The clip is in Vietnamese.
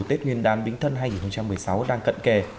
tết nguyên đán bính thân hai nghìn một mươi sáu đang cận kề